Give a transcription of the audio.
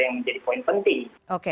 yang menjadi poin penting